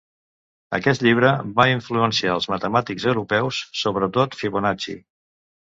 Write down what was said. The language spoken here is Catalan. Aquest llibre va influenciar els matemàtics europeus, sobretot Fibonacci.